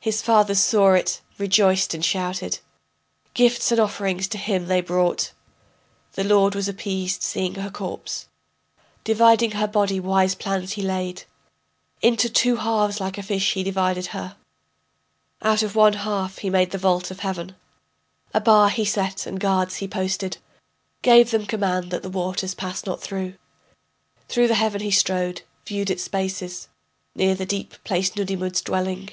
His fathers saw it, rejoiced and shouted. Gifts and offerings to him they brought. The lord was appeased seeing her corpse. Dividing her body, wise plans he laid. Into two halves like a fish he divided her, Out of one half he made the vault of heaven, A bar he set and guards he posted, Gave them command that the waters pass not through. Through the heaven he strode, viewed its spaces, Near the deep placed Nudimmud's dwelling.